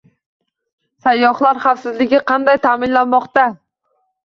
Sayyohlar xavfsizligi qanday ta’minlanmoqda?